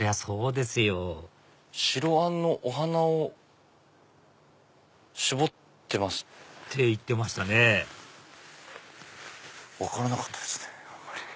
「白あんのお花を絞ってます」。って言ってましたね分からなかったですね。